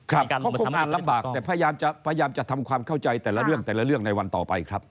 ครับเขาก็ความลำบากแต่พยายามจะทำความเข้าใจแต่ละเรื่องในวันต่อไปครับ